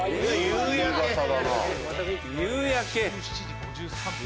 夕焼け！